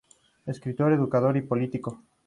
Escritor, educador y político.